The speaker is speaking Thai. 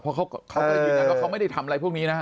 เพราะเขาก็ยืนยันว่าเขาไม่ได้ทำอะไรพวกนี้นะฮะ